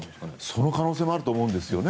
その可能性もあると思います。